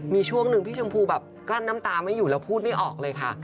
มีช่วงหนึ่งพี่ชมพูแบบกลั้นน้ำตาไม่อยู่แล้วพูดไม่ออกเลยค่ะ